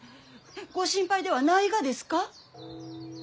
ご心配ではないがですか？